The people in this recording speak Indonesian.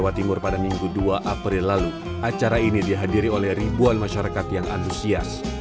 alhamdulillah laris manis